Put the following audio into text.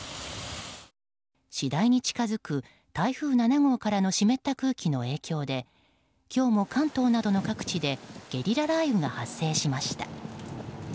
次第に近づく台風７号からの湿った空気の影響で今日も関東などの各地でゲリラ雷雨が発生しました。